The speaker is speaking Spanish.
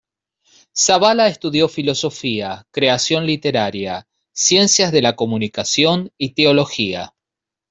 Zavala estudió filosofía, creación literaria, ciencias de la comunicación y teología.